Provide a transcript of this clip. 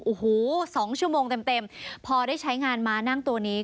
โอ้โห๒ชั่วโมงเต็มพอได้ใช้งานมานั่งตัวนี้